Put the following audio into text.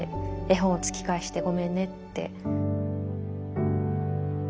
絵本を突き返してごめんねって。